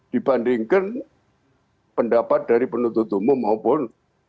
dibandingkan pendapat dari penuntut umum maupun